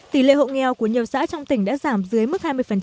tỷ lệ hộ nghèo của nhiều xã trong tỉnh đã giảm dưới mức hai mươi